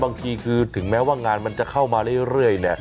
บางทีคือถึงแม้ว่างานมันจะเข้ามาเรื่อยเนี่ย